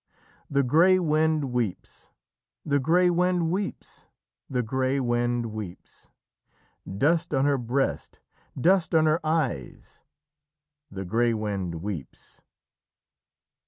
The grey wind weeps, the grey wind weeps, the grey wind weeps: _Dust on her breast, dust on her eyes, the grey wind weeps.